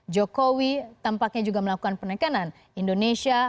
jokowi tampaknya juga melakukan penekanan indonesia